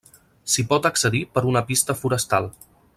S'hi pot accedir per una pista forestal.